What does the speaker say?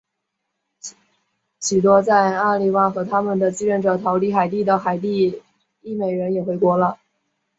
许多在瓦利埃和他们的继任者逃离海地的海地裔美国人也回国了。